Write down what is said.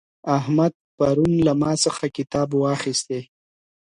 احمد پرون له ما څخه کتاب واخیستی.